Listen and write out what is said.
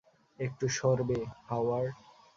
একটু সরবে, হাওয়ার্ড।